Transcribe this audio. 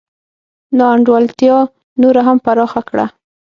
نا انډولتیا نوره هم پراخه کړه.